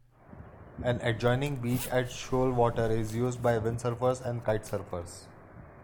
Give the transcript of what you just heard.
An adjoining beach at Shoalwater is used by windsurfers and kitesurfers.